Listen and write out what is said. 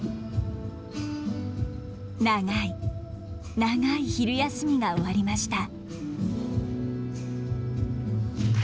長い長い昼休みが終わりました。